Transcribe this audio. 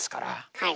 はい。